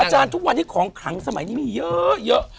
อาจารย์ทุกวันที่ของขังสมัยนี้มีเยอะ